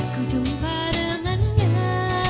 ku jumpa dengannya